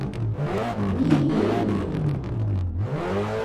nii di